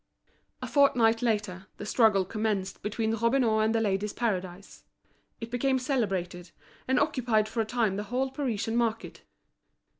A fortnight later, the struggle commenced between Robineau and The Ladies' Paradise. It became celebrated, and occupied for a time the whole Parisian market.